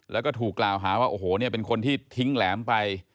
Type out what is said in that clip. แล้วก็ถูกกล่าวหาว่าโอ้โหเนี่ยเป็นคนที่ทิ้งแหลมไป